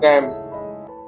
các bệnh nhân